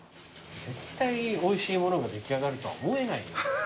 絶対おいしいものが出来上がるとは思えないよ。